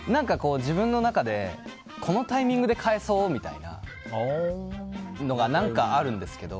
自分の中で、このタイミングで返そうみたいなのが何か、あるんですけど。